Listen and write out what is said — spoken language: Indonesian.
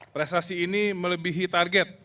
prestasi ini melebihi target